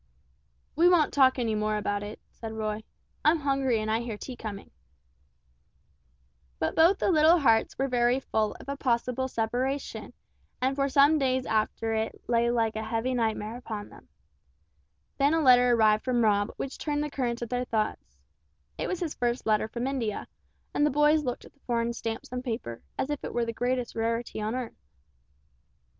"We won't talk any more about it," said Roy, "I'm hungry and I hear tea coming." But both the little hearts were very full of a possible separation, and for some days after it lay like a heavy nightmare on them. Then a letter arrived from Rob which turned the current of their thoughts. It was his first letter from India, and the boys looked at the foreign stamps and paper, as if it were the greatest rarity on earth.